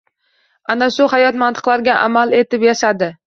Ana shu hayot mantiqlariga amal etib yashadi.